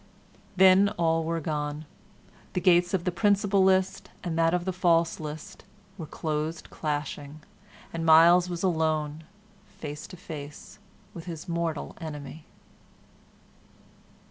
Then all were gone; the gates of the principal list and that of the false list were closed clashing, and Myles was alone, face to face, with his mortal enemy.